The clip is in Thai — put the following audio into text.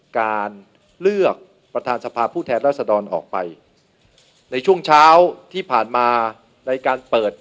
การเลือกประธานสภาพผู้แทนรัศดรออกไปในช่วงเช้าที่ผ่านมาในการเปิด